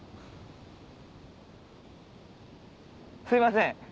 すいません